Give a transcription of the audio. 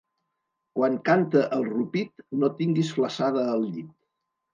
Quan canta el rupit no tinguis flassada al llit.